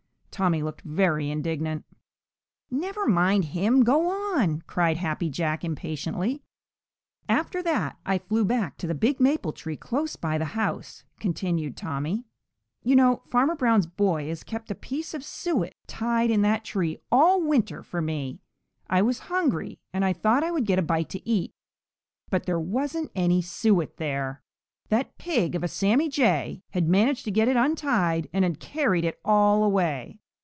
Tommy looked very indignant. "Never mind him, go on!" cried Happy Jack impatiently. "After that I flew back to the big maple tree close by the house," continued Tommy. "You know Farmer Brown's boy has kept a piece of suet tied in that tree all winter for me. I was hungry, and I thought I would get a bite to eat, but there wasn't any suet there. That pig of a Sammy Jay had managed to get it untied and had carried it all away.